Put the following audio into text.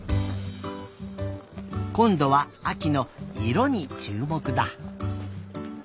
こんどはあきの「いろ」にちゅうもくだ。